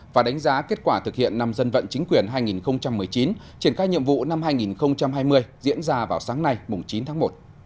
và đánh giá kết quả thực hiện năm dân vận chính quyền hai nghìn một mươi chín triển khai nhiệm vụ năm hai nghìn hai mươi diễn ra vào sáng nay chín tháng một